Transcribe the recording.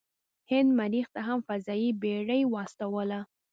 هند مریخ ته هم فضايي بیړۍ واستوله.